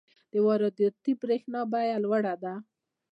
د وارداتي برښنا بیه لوړه ده.